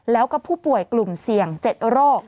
แล้วก็ผู้ป่วยกลุ่มเสี่ยง๗โรค